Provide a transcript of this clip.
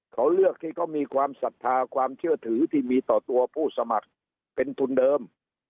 เขาเลือกที่เขามีความศรัทธาความเชื่อถือที่มีต่อตัวผู้สมัครเป็นทุนเดิม